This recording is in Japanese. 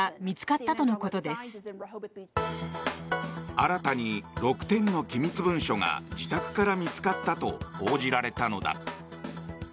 新たに６点の機密文書が自宅から見つかったと報じられたのだ。